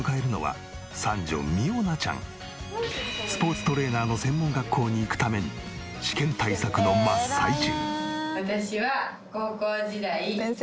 スポーツトレーナーの専門学校に行くために試験対策の真っ最中！